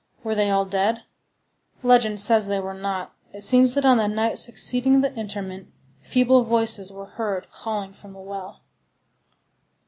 Were they all dead? Legend says they were not. It seems that on the night succeeding the interment, feeble voices were heard calling from the well.